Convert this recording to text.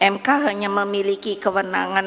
mk hanya memiliki kewenangan